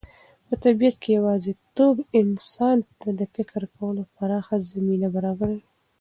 په طبیعت کې یوازېتوب انسان ته د فکر کولو پراخه زمینه برابروي.